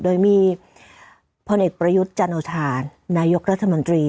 โดยมีพลเอกประยุทธ์จันโอทานนายกรัฐมนตรี